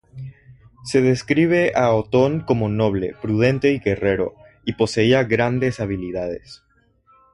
Se describe a Otón como noble, prudente y guerrero, y poseía grandes habilidades.